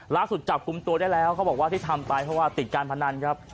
จับกลุ่มตัวได้แล้วเขาบอกว่าที่ทำไปเพราะว่าติดการพนันครับ